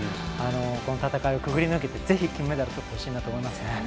この戦いを潜り抜けてぜひ金メダルをとってほしいなと思います。